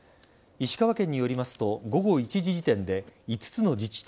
石川県によりますと午後１時時点で５つの自治体